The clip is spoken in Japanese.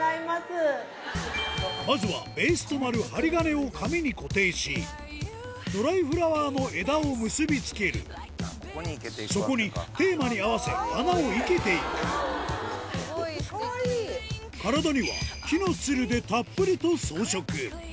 まずはベースとなる針金を髪に固定しドライフラワーの枝を結び付けるそこにテーマに合わせ花を生けていく体には木のツルでたっぷりと装飾